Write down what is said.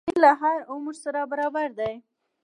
پنېر له هر عمر سره برابر دی.